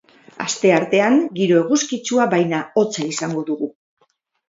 Asteartean giro eguzkitsua baina hotza izango dugu.